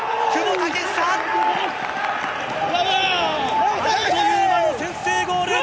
あっという間に先制ゴール！